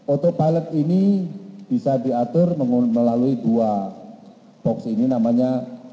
auto pilot ini bisa diatur melalui dua box ini namanya